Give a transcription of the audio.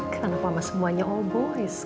karena mama semuanya obohan